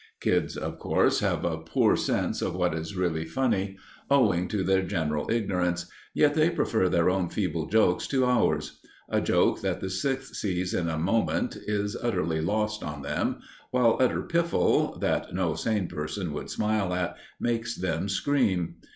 Kids, of course, have a poor sense of what is really funny, owing to their general ignorance. Yet they prefer their own feeble jokes to ours. A joke that the Sixth sees in a moment is utterly lost on them, while utter piffle, that no sane person would smile at, makes them scream.